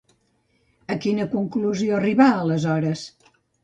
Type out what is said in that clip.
A quina conclusió arribà, aleshores?